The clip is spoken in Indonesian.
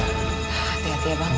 hati hati ya bang